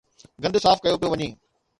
گند صاف ڪيو پيو وڃي.